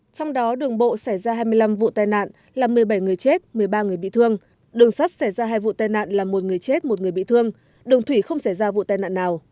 trong đó đường bộ xảy ra hai mươi năm vụ tai nạn là một mươi bảy người chết một mươi ba người bị thương đường sắt xảy ra hai vụ tai nạn là một người chết một người bị thương đường thủy không xảy ra vụ tai nạn nào